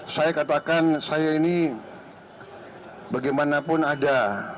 saya katakan saya ini bagaimanapun ada